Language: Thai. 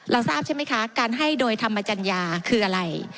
ทราบใช่ไหมคะการให้โดยธรรมจัญญาคืออะไร